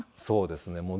そうですね。